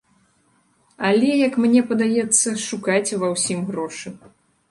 Але, як мне падаецца, шукайце ва ўсім грошы.